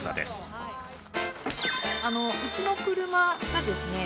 あのうちの車がですね